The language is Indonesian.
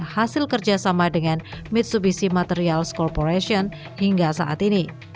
hasil kerjasama dengan mitsubishi materials corporation hingga saat ini